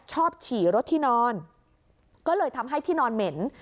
ฉี่รถที่นอนก็เลยทำให้ที่นอนเหม็น